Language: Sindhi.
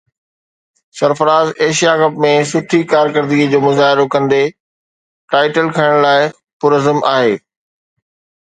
سرفراز ايشيا ڪپ ۾ سٺي ڪارڪردگي جو مظاهرو ڪندي ٽائيٽل کٽڻ لاءِ پرعزم آهي